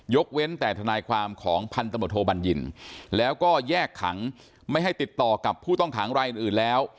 เว้นแต่ทนายความของพันธมตโทบัญญินแล้วก็แยกขังไม่ให้ติดต่อกับผู้ต้องขังรายอื่นแล้ว